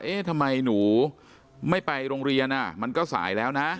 ทำไมหนูไม่ไปโรงเรียนมันก็สายแล้วนะ